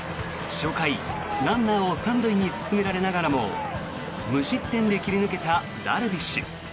初回、ランナーを３塁に進められながらも無失点で切り抜けたダルビッシュ。